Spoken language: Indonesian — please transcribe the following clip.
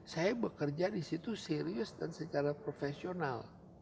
saya bekerja di situ serius dan secara profesional